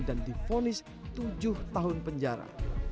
dan difonis tujuh tahun penjara